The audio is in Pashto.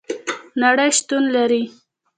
نړۍ شتون لري